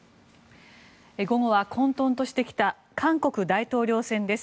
午後は混とんとしてきた韓国大統領選です。